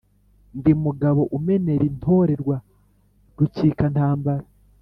Ndi Mugabo umenera intorewa Rukikantambara,